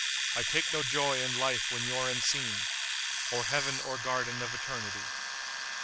I take no joy in life when you're unseen * Or Heaven or Garden of Eternity.